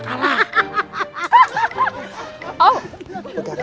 kalah juga kalah